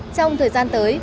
trong thời gian tới